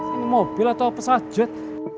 ini mobil atau pesajet